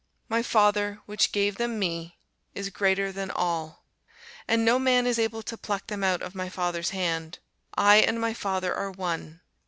My Father, which gave them me, is greater than all; and no man is able to pluck them out of my Father's hand. I and my Father are one.